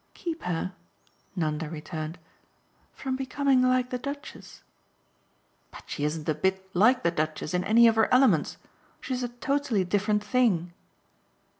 "Keep her," Nanda returned, "from becoming like the Duchess." "But she isn't a bit like the Duchess in any of her elements. She's a totally different thing."